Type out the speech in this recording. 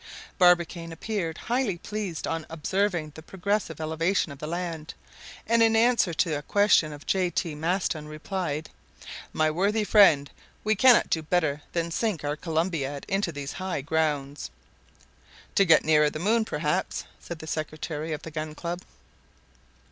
Barbicane appeared highly pleased on observing the progressive elevation of the land; and in answer to a question of J. T. Maston, replied: "My worthy friend, we cannot do better than sink our Columbiad in these high grounds." "To get nearer the moon, perhaps?" said the secretary of the Gun Club.